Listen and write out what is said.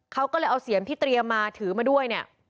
เขาก็เลยเอาเสียงที่เตรียมมาถือมาด้วยเนี่ย